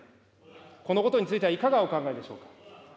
このことについては、いかがお考えでしょうか。